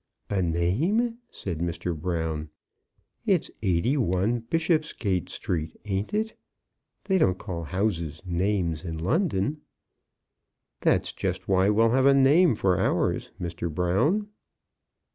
"A name?" said Mr. Brown; "it's 81, Bishopsgate Street; ain't it? They don't call houses names in London." "That's just why we'll have a name for ours, Mr. Brown."